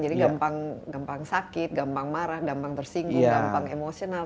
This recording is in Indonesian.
jadi gampang sakit gampang marah gampang tersinggung gampang emosional